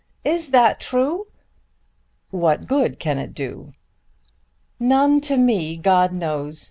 Is that true!" "What good can it do?" "None to me, God knows.